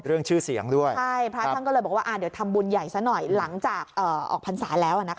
เรื่องชื่อเสียงด้วยใช่พระท่านก็เลยบอกว่าเดี๋ยวทำบุญใหญ่ซะหน่อยหลังจากออกพรรษาแล้วนะคะ